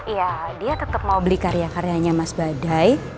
iya dia tetap mau beli karya karyanya mas badai